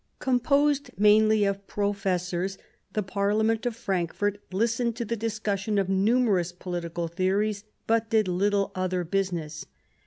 Composed mainly of professors, the Parliament of Frankfort listened to the discussion of numerous political theories, but did little other business.